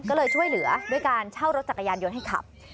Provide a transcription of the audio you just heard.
ก็เลยช่วยเหลือด้วยการเช่ารถจักรยานยนต์ให้ขับ